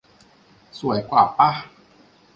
สวยกว่าปะ